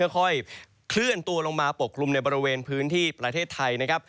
ค่อยเคลื่อนตัวลงมาปกคลุมในบริเวณพื้นที่ประเทศไทยนะครับ